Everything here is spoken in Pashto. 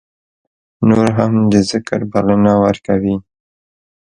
نور هم د ذکر بلنه ورکوي.